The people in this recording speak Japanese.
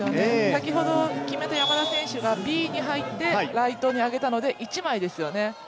先ほど決めた山田選手がＢに入ってライトに上げたので、一枚ですよね。